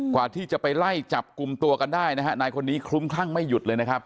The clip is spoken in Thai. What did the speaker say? กว่าที่จะไปไล่จับกลุ่มตัวกันได้นะฮะนายคนนี้คลุ้มคลั่งไม่หยุดเลยนะครับ